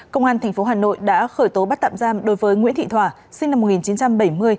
công an tp hà nội đã khởi tố bắt tạm giam đối với nguyễn thị thỏa sinh năm một nghìn chín trăm bảy mươi